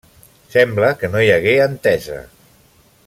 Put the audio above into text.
Sembla que no hi hagué entesa.